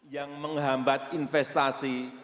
yang menghambat investasi